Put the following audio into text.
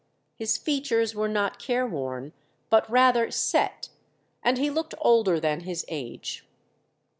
His features were not careworn, but rather set, and he looked older than his age.